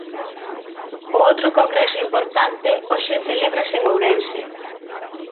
O outro congreso importante hoxe celébrase en Ourense.